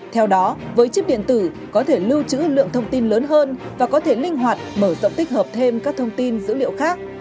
theo đó với chip điện tử có thể lưu trữ lượng thông tin lớn hơn và có thể linh hoạt mở rộng tích hợp thêm các thông tin dữ liệu khác